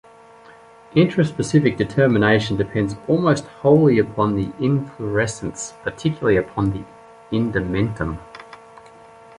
Intraspecific determination depends almost wholly upon the inflorescence, particularly upon the indumentum.